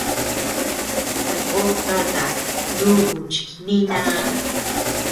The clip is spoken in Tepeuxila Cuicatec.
Takó jata nùùku chi nínaa.